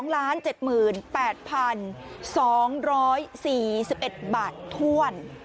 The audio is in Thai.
๒๗๘๒๔๑บาทถ้วน